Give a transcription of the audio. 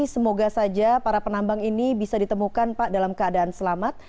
semoga saja para penambang ini bisa ditemukan pak dalam keadaan selamat